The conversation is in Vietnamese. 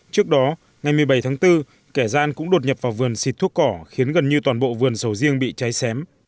trước đó ngày một mươi bảy tháng bốn kẻ gian cũng đột nhập vào vườn xịt thuốc cỏ khiến gần như toàn bộ vườn sầu riêng bị cháy xém